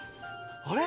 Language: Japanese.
あれ⁉